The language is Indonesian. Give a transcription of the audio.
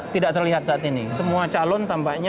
tidak bisa diselesaikan secara kelembagaan di internal partai golkar